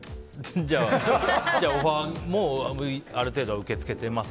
じゃあ、オファーもある程度は受け付けてます